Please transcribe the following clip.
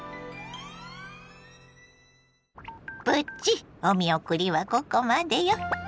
プチお見送りはここまでよ。